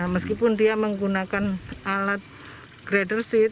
meskipun dia menggunakan alat grader seat